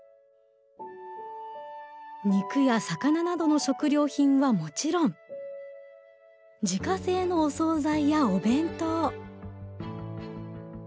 肉や魚などの食料品はもちろん自家製のお総菜やお弁当。